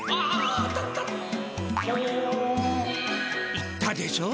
言ったでしょう